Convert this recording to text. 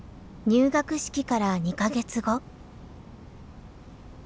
入学式から２か月後。